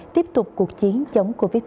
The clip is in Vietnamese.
tiếp tục cuộc chiến chống covid một mươi chín